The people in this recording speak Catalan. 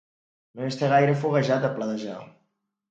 No hi està gaire foguejat, a pledejar.